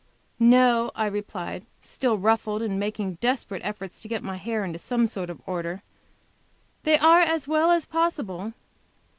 "No," I replied, still ruffled, and making desperate efforts to get my hair into some sort of order. "They are as well as possible."